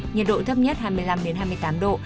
nhiệt độ thấp nhất hai mươi năm hai mươi tám độ